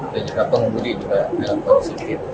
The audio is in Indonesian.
dan juga pengundi juga dalam kondisi fit